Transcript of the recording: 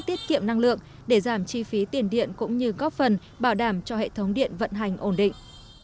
tiết kiệm năng lượng để giảm chi phí tiền điện cũng như góp phần bảo đảm cho hệ thống điện vận hành ổn định